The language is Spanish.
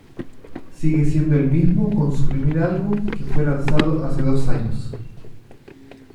Sigue siendo el mismo con su primer álbum que fue lanzado hace dos años.